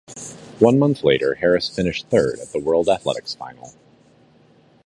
One month later Harris finished third at the World Athletics Final.